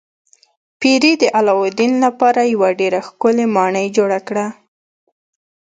پیري د علاوالدین لپاره یوه ډیره ښکلې ماڼۍ جوړه کړه.